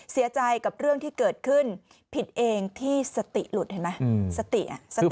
เสียใจกับเรื่องที่เกิดขึ้นผิดเองที่สติหลุดเห็นไหมสติอ่ะสติ